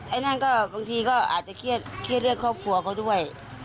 ไอ้นั่นก็บางทีก็อาจจะเครียดเรื่องครอบครัวเขาด้วย